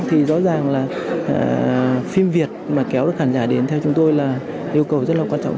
thì rõ ràng là phim việt mà kéo được khán giả đến theo chúng tôi là yêu cầu rất là quan trọng